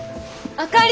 あかり！